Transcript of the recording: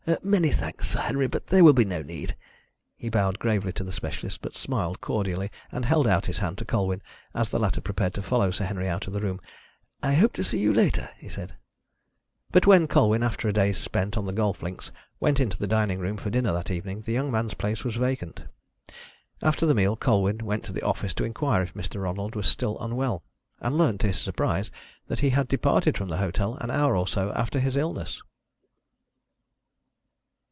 "Many thanks, Sir Henry, but there will be no need." He bowed gravely to the specialist, but smiled cordially and held out his hand to Colwyn, as the latter prepared to follow Sir Henry out of the room. "I hope to see you later," he said. But when Colwyn, after a day spent on the golf links, went into the dining room for dinner that evening, the young man's place was vacant. After the meal Colwyn went to the office to inquire if Mr. Ronald was still unwell, and learnt, to his surprise, that he had departed from the hotel an hour or so after his illness.